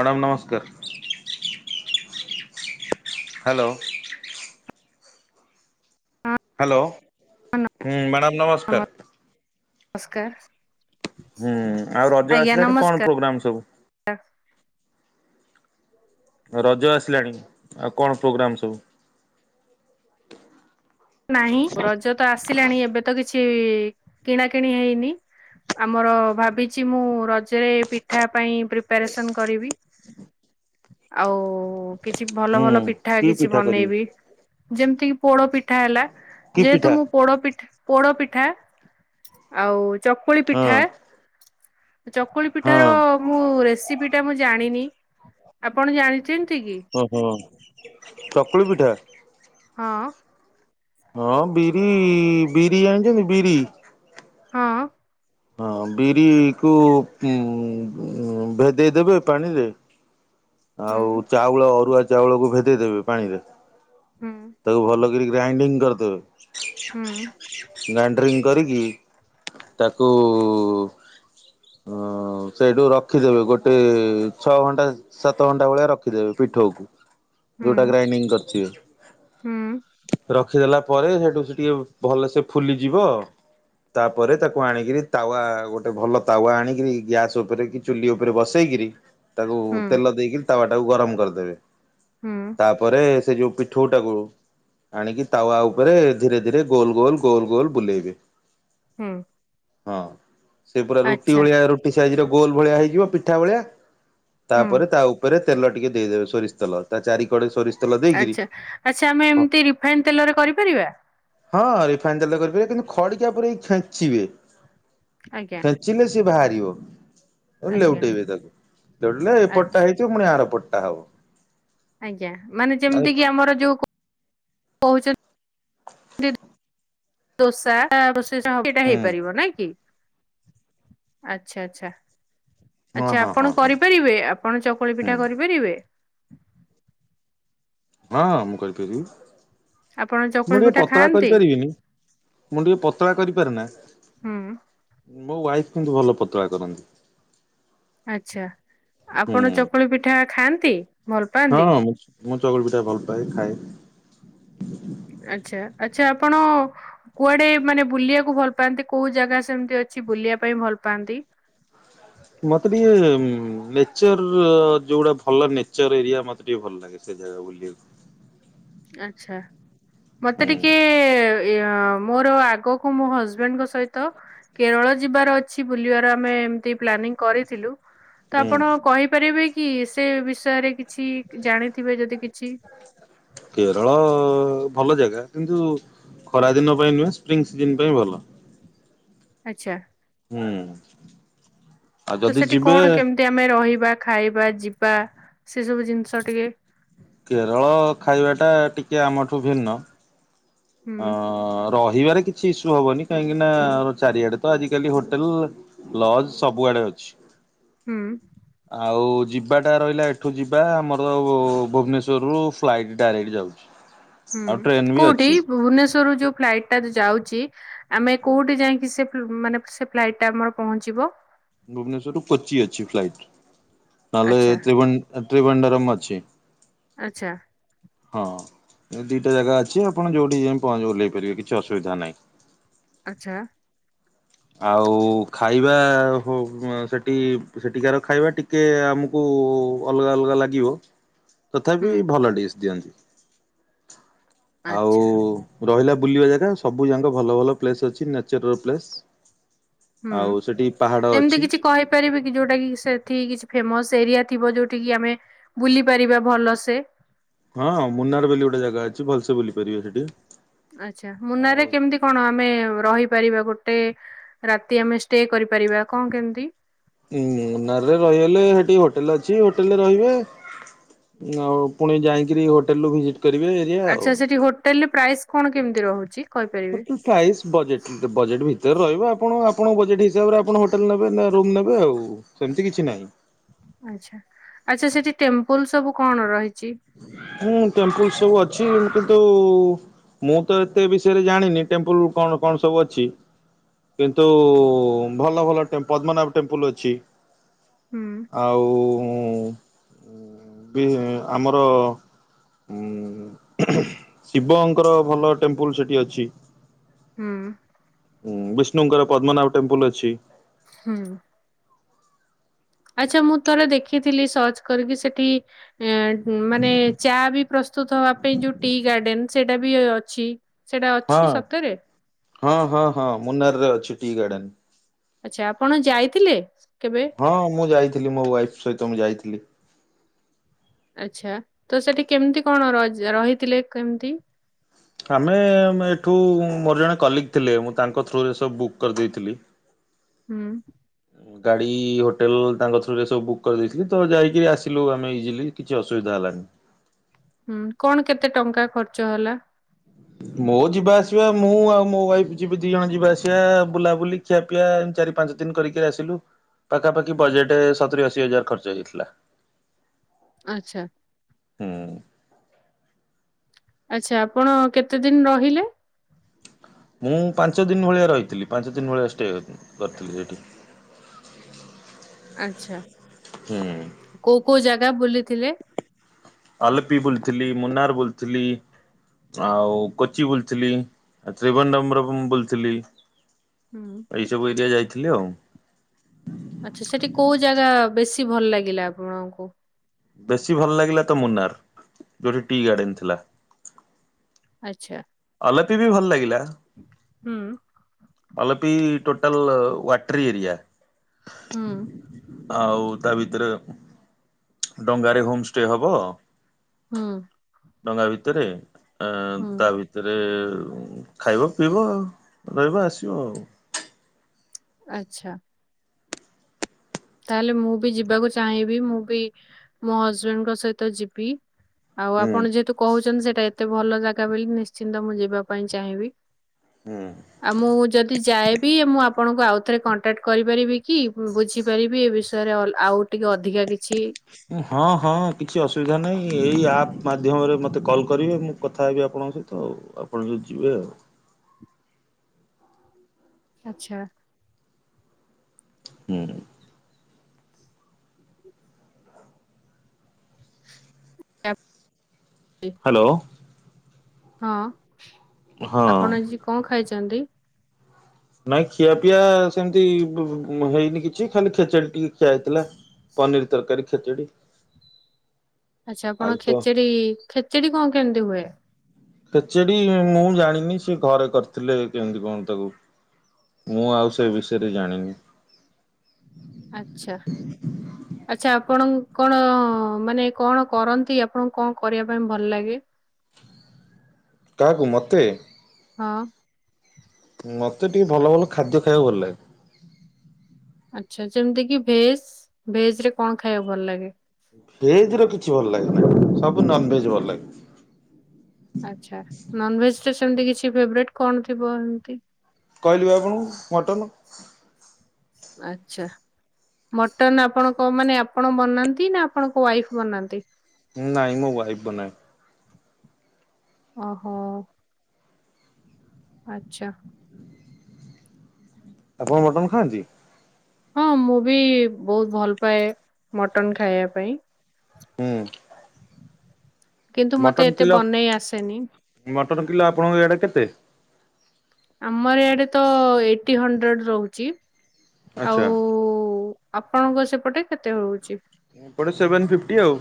Madam ନମସ୍କାର hello. ହଁ। Hello ହଁ ମ୍ୟାଡ଼ାମ ନମସ୍ ନମ ନମସ୍କାର। ହୁଁ ଆଉ ରଜ ଆଜ୍ଞା ଆସିଲାଣି କଣ ନମସ୍କାର ପ୍ରୋଗ୍ରାମ ସବୁ? ହଁ ରଜ ଆସିଲାଣି ଆଉ କଣ ପ୍ରୋଗ୍ରାମ୍ ସବୁ? ନାହିଁ ରଜ ତ ଆସିଲାଣି, ଏବେ ତ କିଛି କିଣାକିିଣି ହେଇନି। ଆମର ଭାବିଚି ମୁଁ ରଜରେ ପିଠା ପାଇଁ ପ୍ରିପାରେସନ୍ କରିବି। ଆଉ କିଛି ଭଲ ହୁଁ ଭଲ ପିଠା କି କିଛି କରିବେ ବନେଇବି, ଯେମିତି କିି ପୋଡ ପିଠା ହେଲା। କି ଯେହେତୁ ପିଠା ମୁଁ ପୋଡ ପିଠା ପୋଡ ପିଠା ଆଉ ଚକୁଳି ହଁ ପିଠା ଚକୁଳି ପିଠାର ହଁ। ମୁଁ ରେସିପିଟା ମୁଁ ଜାଣିନି, ଆପଣ ଜାଣିଚନ୍ତି କି? ଓ ହୋ ଚକୁଳି ପିଠା? ହଁ। ହଁ ବିରି ବିରି ଜାଣିଚନ୍ତି ବିରି? ହଁ। ହଁ ବିରିକୁ ଉଁ - ଉଁ ଭେଦେଇ ଦେବେ ପାଣିରେ ହୁଁ ଆଉ ଚାଉଳ ଅରୁଆ ଚାଉଳକୁ ଭେଦେଇଦବେ ପାଣିରେ। ହୁଁ ତାକୁ ଭଲ କରି ଗ୍ରାଇଣ୍ଡିଙ୍ଗ କରିଦେବେ। ହୁଁ। ଗାଇଣ୍ଡ୍ରିଙ୍ଗ କରିକି ତାକୁ ହଁ ସେଇଠୁ ରଖିଦେବେ, ଗୋଟେ ଛଅ ଘଣ୍ଟା ସାତ ଘଣ୍ଟା ଭଳିଆ ରଖିଦେବେ ପିଠୋକୁ, ହୁଁ ଯଉଟା ଗ୍ରାଇଣ୍ଡିଙ୍ଗ ହୁଁ। କରିଥିବେ। ରଖିଦେଲା ପରେ ସେଠୁ ସେ ଟିକେ ଭଲସେ ଫୁଲିଯିବ ଆଉ। ତାପରେ ତାକୁ ଆଣିକିରି ତାୱା ଗୋଟେ ଭଲ ତାୱା ଆଣିକିରି ଗ୍ୟାସ ଉପରେ କି ଚୁଲି ଉପରେ ବସେଇକରି ତାକୁ ହୁଁ ତେଲ ଦେଇକରି ତାୱ ଟାକୁ ଗରମ କରିଦେବେ। ହୁଁ ତାପରେ ସେ ଯୋଉ ପିଠୁ ଟା କୁ ଆଣିକି ତାୱା ଉପରେ ଧୀରେ ଧୀରେ ଗୋଲ ଗୋଲ ଗୋଲ ଗୋଲ ବୁଲେଇବେ। ହୁଁ। ହଁ ସେ ପୁରା ରୁଟି ଆଚ୍ଛା ଭଳିଆ ରୁଟି ସାଇଜରେ ଗୋଲ ଭଳିଆ ହେଇଯିବ ପିଠା ଭଳିଆ। ହୁଁ ତାପରେ ତା ଉପରେ ତେଲ ଟିକେ ଦେଇଦେବେ ସୋରିଷ ତେଲ, ତା ଚାରି କଡେ ସୋରିଷ ତେଲ ଦେଇକିରି ଆଚ୍ଛା ଆଚ୍ଛା ଆମେ ଏମିତି ରିଫାଇନ ତେଲରେ କରିପାରିବା? ହଁ ରିଫାଇନ୍ ତାେଲେ କରିପାରିବେ, କିନ୍ତୁ ଖଡ଼ିକା ପରେରେଇ ଖେଞ୍ଚିବେ। ଆଜ୍ଞା ଫେଚିଲେ ସି ବାହାରିବ, ଆଉ ଆଜ୍ଞା ଲେଉଟେଇବେ ତାକୁ ଲେଉଟିଲେ ଏପ ଆଚ୍ଛା [unintelligible] ମୁଣିି ଆରପଟ ହବ। ଆଜ୍ଞା ମାନେ ଆଉ ଯେମିତି କି ଆମର ଯୋଉ କହୁଛନ୍ତି। ଦୋସା [unintelligible] ସେଇଟା ହୁଁ ହେଇପାରିବ ନାଇ କି ଆଚ୍ଛା ଆଚ୍ଛା। ହଁ ଆଚ୍ଛା ହଁ ହଁ ଆପଣ ହଁ କରିପାରିବେ ଆପଣ ଚକୁଳି ହୁଁ ପିଠା କରିପାରିବେ? ହଁ ହଁ ମୁଁ କହିପାରିବି, ଆପଣ ମୁଁ ଚକୁଳି ଟିକେ ପିଠା ପତଳା ଖାଆନ୍ତି କରିପାରିବିନି। ମୁଁ ଟିକେ ପତଳା କରିପାରେ ନା ହୁଁ ମୋ ୱାଇଫ କିନ୍ତୁ ଭଲ ପତଳା କରନ୍ତି। ଆଚ୍ଛା ହୁଁ ଆପଣ ଚକୁଳି ପିଠା ଖାଆନ୍ତି? ଭଲ ହଁ ପାଆନ୍ତି ମୁଁ ମୁଁ ଚକୁଳି ପିଠା ଭଲ ପାଏ ଖାଏ। ଆଚ୍ଛା ଆଚ୍ଛା ଆପଣ କୁଆଡେ ମାନେ ବୁଲିବାକୁ ଭଲ ପାଆନ୍ତି କୋଉ ଜାଗା ସେମିତି ଅଛି ବୁଲିବା ପାଇଁ ଭଲ ପାଆନ୍ତି? ମତେ ଟିକେ ନେଚର ଯୋଉଗୁଡା ଭଲ ନେଚର ଏରିଆ ମତେ ଟିକେ ଭଲ ଲାଗେ। ସେ ଜାଗା ବୁଲିବାକୁ। ଆଛା ମତେ ହୁଁ ଟିକେ ମୋର ଆଗକୁ ମୋ ହଜବେଣ୍ଡଙ୍କ ସହିତ କେରଳ ଯିବାର ଅଛି ବୁଲିବାର ଆମେ ଏମତି ପ୍ଲାନିଂ କରିଥିଲୁ। ତ ହୁଁ ଆପଣ କହିପାରିବେ କି ସେ ବିଷୟରେ କିଛି ଜାଣିଥିବେ ଯଦି କିଛି କେରଳ ଭଲ ଜାଗା କିନ୍ତୁ ଖରାଦିନ ପାଇଁ ନୁହେଁ ସ୍ପ୍ରିଙ୍ଗ ସିଜିନ ପାଇଁ ଭଲ। ଆଚ୍ଛା। ହୁଁ। ଆଉ ତ ଯଦି ସେଠି ଯିବେ କଣ କେମିତି ଆମେ ରହିବା ଖାଇବା ଯିବା ସେ ସବୁ ଜିନିଷ ଟିକେ? କେରଳ ଖାଇବାଟା ଟିକେ ଆମଠୁ ଭିନ୍ନ। ହୁଁ ଅ ରହିବାରେ କିଛି ଇସ୍ୟୁ ହବନି, କାହିଁକି ନା ଚାରିଆଡେ ତ ଆଜିକାଲି ହୋଟେଲ ଲଜ ସବୁଆଡେ ଅଛି। ହୁଁ। ଆଉ ଯିବାଟା ରହିଲା ଏଠୁ ଯିବା ଆମର ଭୁବନେଶ୍ୱରରୁ ଫ୍ଲାଇଟ୍ ଡାଇରେକ୍ଟ ଯାଉ ହ ହୁଁ କୋଉଠି ଭୁବନେଶ୍ରରୁୁ ଯୋଉ ଫ୍ଲାଇଟ ଟା ଯାଉଛି ଆମେ କୋଉଠି ଯାଇକି ସେ ମାନେ ସେ ଫ୍ଲାଇଟ୍ଟା ଆମର ପହଞ୍ଚିବ? ଭୁବନେଶ୍ୱର ରୁ କୋପଚି ଅଛି ଫ୍ଲାଇଟ୍ ଆଚ୍ଛା ନହେଲେ୍ର ତ୍ରି ତ୍ରିଭରମ୍ ଅଛି। ଆଚ୍ଛା। ହଁ ଏ ଦୁଇଟା ଜାଗା ଅଛି ଆପଣ ଯଉଁଠି ଯାଇ ଓହଲାଇ ପାରିବେ କିଛି ଅସୁବିଧା ନାହିଁ। ଆଚ୍ଛା। ଆଉ ଖାଇବା ହ ସେଠି ସେଠିକାର ଖାଇବା ଟିକ ଟିକେ ଆମକୁ ଅଲଗା ଅଲଗା ଲାଗିବ। ହୁଁ ତଥାପି ଭଲ ଡସ୍ ଦିଅନ୍ତି। ଆଚ୍ଛା ଆଉ ରହିଲା ବୁଲିବା ଜାଗା ସବୁ ଯାକ ଭଲ ଭଲ ପ୍ଲେସ ଅଛି ନେଚର ପ୍ଲେସ। ହୁଁ ଏମିତି ଅଛି କିଛି କହ ହେଇ ପାରିବକି ଯୋଉଟା କି ସେଠ କିଛି ଫେମସ ଏରିଆ ଥିବ ଯୋଉଠ କି ଆମେ ବୁଲି ପାରିବା ଭଲସେ। ହଁ ମୁନାର ବୋଲି ଗୋଟେ ଜାଗା ଅଛି ଭଲସେ ବୁଲି ପାରିବେ ସେଠି। ଆଚ୍ଛା ମୁନାରେ ଆଉ କେମିତି କଣ ଆମେ ରହିପାରିବା ଗୋଟେ ରାତି ଆମେ ଷ୍ଟେ କରିପାରିବା କଣ କେମିତି? ମୁନାରେ ରହିଗଲେ ହେଟି ହୋଟେଲ ଅଛି ହୋଟେଲରେ ରହିବେ। ଆଉ ପୁଣି ଯାଇକିରି ହୋଟେଲେରୁ ଭିଜିଟ୍ କରିବେ। ଏରିଆ ଆଉ। ଆଚ୍ଛା ସେଠି ହୋଟେଲେରେ ପ୍ରାଇସ୍ କଣ କେମିତି ରହୁଚି? [unintelligible] ପ୍ରାଇସ୍ ବଜେଟ୍ ବଜେଟ୍ ଭିତରେ ରହିବ ଆପଣ ଆପଣଙ୍କ ବଜେଟ୍ ହିସାବରେ ଆପଣ ହୋଟେଲ୍ ନେବେ ନା ରୁମ୍ ନେବେ ଆଉ। ସେମିତି କିଛି ନାହିଁ। ଆଚ୍ଛା ଆଛା ସେଠି ଟେମ୍ପଲ ସବୁ କଣ ରହିଚି? ହୁଁ ଟେମ୍ପଲ ସବୁ ଅଛି କିନ୍ତୁ ମୁଁତ ଏତେ ବିଷୟରେ ଜାଣିନି ଟେମ୍ପଲ କଣ କଣ ସବୁ ଅଛି। କିନ୍ତୁ ଭଲ ଭଲ ଟେମ୍ପୁ ପଦ୍ମନାଭ ଟେମ୍ପୁଲ୍ ଅଛି। ହୁଁ ଆଉ ବି ଆମର ଉ ଶିବଙ୍କର ଭଲ ଟେମ୍ପୁଲ ସେଠି ଅଛି। ହୁଁ। ହଁ ବିଷ୍ଣୁଙ୍କର ପଦ୍ମନାଭ ଟେମ୍ପଲ ଅଛି। ହୁଁ। ଆଚ୍ଛା ମୁଁ ଥରେ ଦେଖିଥିଲି ସର୍ଚ୍ଚ କରିକି ସେଠି ଉ ମାନେ ଚା ବି ପ୍ରସ୍ତୁତ ହେବା ପାଇଁ ଯେଉଁ ଟି ଗାର୍ଡେନ ସେଇଟାବି ଅଛି ସେଇଟା ଅଛି ହଁ ସତରେ? ହଁ ହଁ ହଁ ମୁନାରରେ ଅଛି ଟି ଗାର୍ଡେନ୍। ଆଚ୍ଛା ଆପଣ ଯାଇଥିଲେ କେବେ? ହଁ ମୁଁ ଯାଇଥିଲି ମୋ ୱାଇଫ ସହିତ ମୁଁ ଯାଇଥିଲି। ଆଛା ତସେଠି କେମିତି କଣ ର ରହିଥିଲେ କେମିତି? ଆମେ ଏଠୁ ମୋର ଜଣେ କଲିକ୍ ଥିଲେ ମୁଁ ତାଙ୍କ ଥ୍ରୁରେ ସବୁ ବୁକ୍ କରିଦେଇଥିଲି। [inaudible] ହୁଁ। ହୁ‌। ଗାଡ଼ି ହୋଟେଲ୍ ତାଙ୍କ ଥ୍ରୁରେ ସବୁ ବୁକ୍ କରିଦେଇଥିଲି ତଯାଇକିରି ଆସିଲୁ ଆମେ ଇଜିଲି କିଛି ଅସୁବିଧା ହେଲାନି। ହୁଁ କଣ କେତେ ଟଙ୍କା ଖର୍ଚ୍ଚ ହେଲା? ମୋ ଯିବା ଆସିବା ମୁଁ ଆଉ ମୋ ୱାଇଫ ଯିବି ଦି ଜଣ ଯିବା ଆସିବା ବୁଲାବୁଲି ଖିଆ ପିଆ ଚାରି ପାଞ୍ଚ ଦିନ କରିକି ଆସିଲୁ ପାଖାପାଖି ବଜେଟ ସତୁର ଅଶୀ ହଜାର ଖର୍ଚ୍ଚ ହେଇଯାଇଥିଲା। ଆଚ୍ଛା। ହଁ। ଆଚ୍ଛା ଆପଣ କେତେ ଦିନି ରହିଲେ? ମୁଁ ପାଞ୍ଚ ଦିନ ଭଳିଆ ରହିଥିଲି ପାଞ୍ଚ ଦିନ ଭଳିଆ ଷ୍ଟେ କରିଥିଲି ସେଠି। ଆଚ୍ଛା। ହୁଁ। କୋଉ କୋଉ ଜାଗା ବୁଲିଥିଲେ? ଆଲପି ବୁଲିଥିଲି ମୁନାର ବୁଲିଥିଲି ଆଉ କୋଚି ବୁଲିଥିଲି ଆଉ ତ୍ରିବନବରମ୍ ବୁଲିଥିଲି। ହୁଁ। ଏଇ ସବୁ ଏରିଆ ଯାଇଥିଲି ଆଉ। ଆଚ୍ଛା ସେଠି କୋଉ ଜାଗା ବେଶୀ ଭଲ ଲାଗିଲା ଆପଣଙ୍କୁ? ବେଶୀ ଭଲ ଲାଗିଲାତ ମୁନାର ଯୋଉଠି ଟି ଗାର୍ଡେନ ଥିଲା। ଆଚ୍ଛା। ଅଲପିବି ଭଲ ଲାଗିଲା। ହୁଁ। ଆଲୋପି ଟୋଟଲ ୱାଟର ଏରିଆ। ହୁଁ ଆଉ ତା ଭିତରେ ଡଙ୍ଗାରେ ହୋମ ଷ୍ଟେ ହବ। ହୁଁ। ଡଙ୍ଗା ଭିତରେ ଅ ହୁଁ ତା ଭିତ ସେଥିରେ ଖାଇବ ପିଇବ ରହିବ ଆସିବ ଆଉ। ଆଛା। ତାହେଲେ ମୁଁ ବି ଯିବାକୁ ଚାହିଁବି ମୁଁ ବି ମୋ ହଜବେଣ୍ଡଙ୍କ ସହିତ ଯିବି। ଆଉ ହୁଁ ଆପଣ ଯେହେତୁ କହୁଚନ୍ତି ସେଇଟା ଏତେ ଭଲ ଜାଗା ବୋଲି ନିଶ୍ଚିନ୍ତ ମୁଁ ଯିବା ପାଇଁ ଚାହିଁବି। ହୁଁ। ଆଉ ମୁଁ ଯଦି ଯାଏବି ମୁଁ ଆପଣଙ୍କୁ ଆଉଥରେ କଣ୍ଟାକ୍ଟ କରିପାରିବି କି ବୁଝି ପାରିବି ଏ ବିଷୟରେ ଅଲ ଆଉ ଟିକେ ଅଧିକା କିଛି ହଁ ହଁ କିଛି ଅସୁବିଧା ନାହିଁ ଏହିଇ ଆପ୍ ମାଧ୍ୟମରେ ମୋତେ କଲ୍ କରିବେ ମୁଁ କଥା ହେବି ଆପଣଙ୍କ ସହିତ ଆଉ ଆପଣ ଯଦି ଯିବେ ଆଉ ଆଛା। ହୁଁ। ହ୍ୟାଲୋ। ହଁ ହଁ। ଆପଣ ଆଜି କଣ ଖାଇଚନ୍ତି। ନାଇଁ ଖିଆ ପିଆ ସେମିତି ବ ହେଇନି କିଛି ଖାଲି ଖେଚେଡି ଟିକେ ଖିଆ ହେଇଥିଲା। ପାନିର ତରକାରୀ ଖେଚିିଡି। ଆଚ୍ଛା ଆପଣ ଖେଚେଡି ଖେଚେଡି କଣ କେମିତି ହୁଏ? କେଚେଡି ମୁଁ ଜାଣିନି ସେ ଘରେ କରିଥିଲେ କେମିତି କଣ ତାକୁ। ମୁଁ ଆଉ ସେ ବିଷୟରେ ଜାଣିନି। ଆଛା। ହ। ଆଚ୍ଛା ଆପଣ କଣ ମାନେ କଣ କରନ୍ତି ଆପଣଙ୍କୁ କଣ କରିବା ପାଇଁ ଭଲ ଲାଗେ? କାହାକୁ ମୋତେ? ହଁ। ମତେ ଟିକେ ଭଲ ଭଲ ଖାଦ୍ୟ ଖାଇବାକୁ ଭଲ ଲାଗେ। ଆଛା ଯେମିତି କି ଭେଜ ଭେଜ ରେ କଣ ଖାଇବାକୁ ଭଲ ଲାଗେ? ଭେଜ୍ ର କିଛି ଭଲ ଲାଗେନା ସବୁ ନନ୍ ଭେଜ୍ ଭଲ ଲାଗେ। ଆଛା ନନ୍ ଭେଜ୍ ରେ ସେମିତି କିଛି ଫେବରେଟ୍ କଣ ଥିବ ଏମତି? କହିଲି ବା ଆପଣଙ୍କୁ ମଟନ୍। ଆଛା। ମଟନ ଆପଣଙ୍କ ମାନେ ଆପଣ ବନାନ୍ତି ନା ଆପଣଙ୍କ ୱାଇଫ୍ ବନାନ୍ତି ନାଇଁ ମଁ ୱାଇଫ୍ ବନାଏ। ଓହୋ। ଆଛା। ଆପଣ ମଟନ୍ ଖାଆନ୍ତି? ହଁ ମୁଁ ବି ବହୁତ ଭଲ ପାଏ ମଟନ ଖାଇବା ପାଇଁ। ହୁଁ। କିନ୍ତୁ ମତେ ମଟନ୍ ଏତେ କିଲୋ ବନେଇ ଆସେନି। ମଟନ୍ କିଲୋ ଆପଣଙ୍କ ଏଇ ଆଡେ କେତେ? ଆମର ଇଆଡେ ତ ଏଇଟି ହଣ୍ଡ୍ରେଡ ରହୁଚି ଆଚ୍ଛା ଆଉ ଆପଣଙ୍କ ସେପଟେ କେତେ ହଉଚି? ଏପଟେ ସେଭେନ୍ ଫିଫ୍ଟି ଆଉ।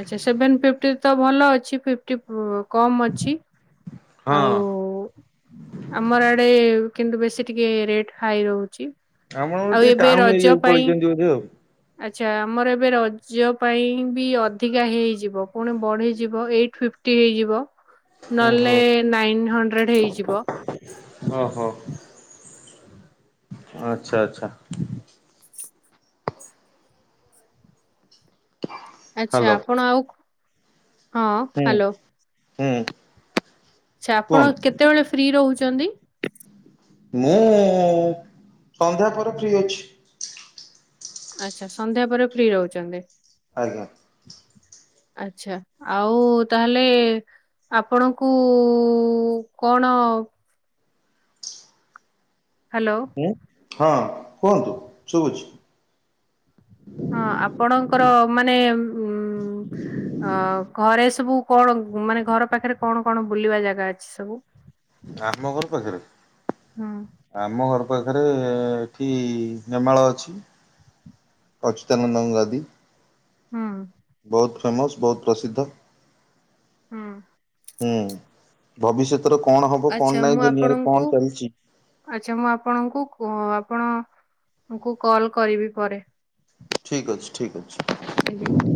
ଆଚ୍ଛା ସେଭେନ୍ ଫିଫ୍ଟି ତ ଭଲ ଅଛି ଫିପ୍ ଫିପ୍ଟି ପୁ କମ୍ ଅଛି ହଁ ଆଉ। ଆମ ଆଡେ କିନ୍ତୁ ବେଶୀ ଟିକେ ରେଟ୍ ହାଏ ରହୁଚି। ଆପଣଙ୍କର ଟିକେ ଟାଉନ ଏରିଆକୁ ପଳେଇଚନ୍ତି ବୋଧେ ଆଉ। ଆଚ୍ଛା ଆମର ଏବେ ରଜ ପାଇଁ ବି ଅ ଧିକା ହେଇଯିବ ପୁଣି ବଢ଼ୀଯିବ ଏଇଟ ଫିଫ୍ଟି ହେଇଯିବ। ନ ହେଲେ ଓହୋ ନାଇନ ହଣ୍ଡ୍ରେଡ୍ ହେଇଯିବ। ଓ ହଁ। ହୁଁ ଆଚ୍ଛା ଆଚ୍ଛା। ଆଚ୍ଛା ହ୍ୟାଲୋ ଆପଣ ଆଉ ହଁ ହୁଁ ହ୍ୟାଲୋ ହୁଁ। ଆଚ୍ଛା ଆପଣ କୁହନ୍ତୁ। କେତେବେଳେ ଫ୍ରି ରହୁଛନ୍ତି? ମୁଁ ଉଁ ସନ୍ଧ୍ୟା ପରେ ଫ୍ରି ଅଛି। ଆଛା ସନ୍ଧ୍ୟା ପରେ ଫ୍ରି ରହୁଛନ୍ତି। ଆଜ୍ଞା। ଆଛା ଆଉଁ ତା ହେଲେ ଏ ଆପଣଙ୍କୁ ଉଁ କଣ ହ୍ୟାଲୋ। ଉଁ ହଁ କୁହନ୍ତୁ ଶୁଭୁଛି। ହଁ ଆପଣଙ୍କର ମାନେ ଉଁ ଅଁ ଘରେ ସବୁ କଣ ମାନେ ଘର ପାଖରେ କଣ କଣ ବୁଲିବା ଜାଗା ଅଛି ସବୁ? ଆମଘର ପାଖରେ। ହୁଁ ଆମ ଘର ପାଖରେ ଏଁ ଏଠି ନେମାଳ ଅଛି। ଅଚ୍ୟୁତାନନ୍ଦଙ୍କ ଗାଦୀ। ଉଁ। ବହୁତ ଫେମସ୍ ବହୁତ ପ୍ରସିଦ୍ଧ। ଉଁ। ଉଁ ଭବିଷ୍ୟତରେ କଣ ହବ କଣ ଆଚ୍ଛା ମୁଁ ନାହିଁ ଦୁନିଆରେ ଆପଣଙ୍କୁ କଣ ଚାଲିଛି ଆଚ୍ଛା ମୁଁ ଆପଣଙ୍କୁ କୁଁ ଆପଣ ଙ୍କୁ କଲ କରିବି ପରେ। ଠିକ୍ ଅଛି ଠୀକ ଅଛି। ଆଜ୍ଞା।